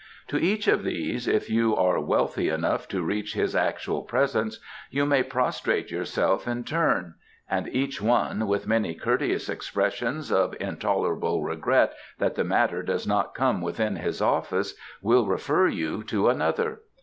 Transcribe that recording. To each of these, if you are wealthy enough to reach his actual presence, you may prostrate yourself in turn, and each one, with many courteous expressions of intolerable regret that the matter does not come within his office, will refer you to another.